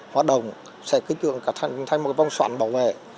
hoạt động sẽ kích thưởng thành một vòng soạn bảo vệ